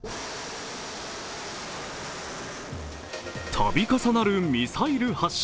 度重なるミサイル発射。